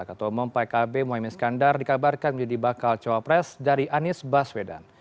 ketua umum pkb muaymin skandar dikabarkan menjadi bakal cowok pres dari anies baswedan